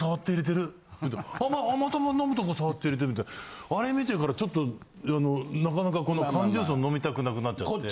あまた飲むとこ触って入れてるってあれ見てからちょっとなかなかこの缶ジュースを飲みたくなくなっちゃって。